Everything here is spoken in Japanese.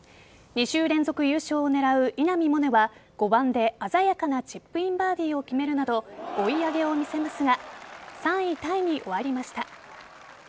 ２週連続優勝を狙う稲見萌寧は５番で鮮やかなチップインバーディーを決めるなど追い上げを見せますが３位タイに終わりました。